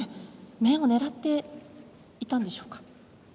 面を狙っていたんでしょうか。